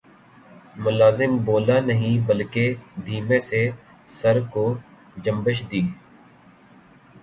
ملازم بولا نہیں بلکہ دھیمے سے سر کو جنبش دی